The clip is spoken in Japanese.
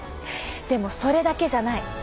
でもそれだけじゃない。